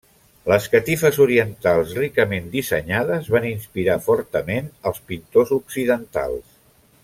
Les catifes orientals ricament dissenyades van inspirar fortament els pintors occidentals.